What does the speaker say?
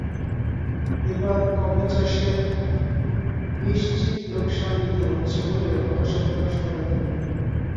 এবার কপি চাষে নিশ্চিত লোকসান দিতে হচ্ছে বলে হতাশা প্রকাশ করেন তিনি।